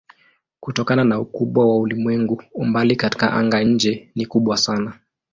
Kutokana na ukubwa wa ulimwengu umbali katika anga-nje ni kubwa sana.